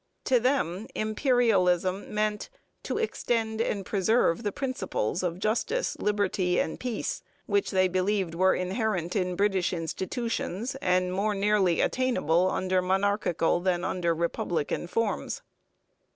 To them Imperialism meant to extend and preserve the principles of justice, liberty, and peace, which they believed were inherent in British institutions and more nearly attainable under monarchical than under republican forms.